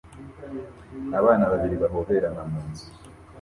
Abana babiri bahoberana mu nzu